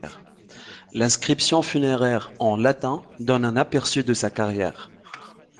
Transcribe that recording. L'inscrpition funéraire, en latin, donne un aperçu de sa carrière.